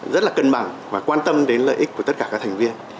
rất là cân bằng và quan tâm đến lợi ích của tất cả các thành viên